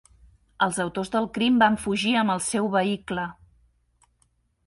Els autors del crim van fugir amb el seu vehicle.